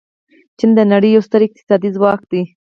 چین د نړۍ یو ستر اقتصادي ځواک دی.